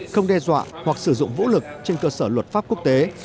không đe dọa hoặc sử dụng vũ lực trên cơ sở luật pháp quốc tế